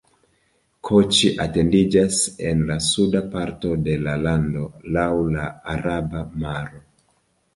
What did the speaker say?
Koĉi etendiĝas en la suda parto de la lando laŭ la Araba Maro.